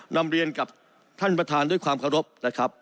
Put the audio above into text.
นำเรียนกับท่านประธานด้วยความเคารพนะครับ